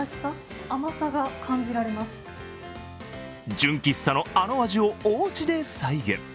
純喫茶のあの味をおうちで再現。